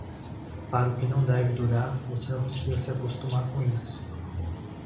Para o que não deve durar, você não precisa se acostumar com isso.